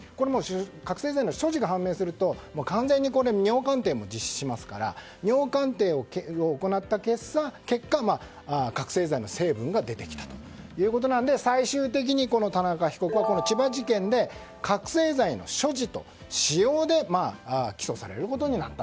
覚醒剤の所持が判明すると完全に尿鑑定も実施しますから尿鑑定を行った結果覚醒剤の成分が出てきたということなので最終的に田中被告は千葉事件で覚醒剤の所持と使用で起訴されることになった。